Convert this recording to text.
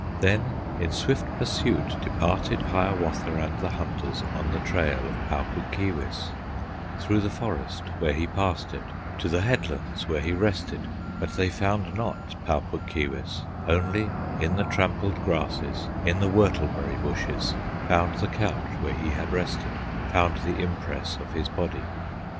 Then in swift pursuit departed Hiawatha and the hunters On the trail of Pau Puk Keewis, Through the forest, where he passed it, To the headlands where he rested; But they found not Pau Puk Keewis, Only in the trampled grasses, In the whortleberry bushes, Found the couch where he had rested, Found the impress of his body.